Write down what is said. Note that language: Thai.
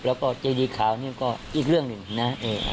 แล้วก็เจดีขาวนี่ก็อีกเรื่องหนึ่งนะ